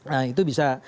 nah itu bisa